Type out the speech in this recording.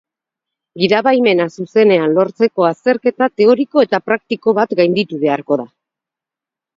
Gidabaimena zuzenean lortzeko azterketa teoriko eta praktiko bat gainditu beharko da.